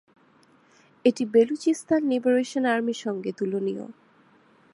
এটি Balochistan liberation army সঙ্গে তুলনীয়।